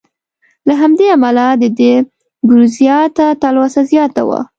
له همدې امله د ده ګورېزیا ته تلوسه زیاته وه.